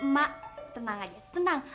mak tenang aja tenang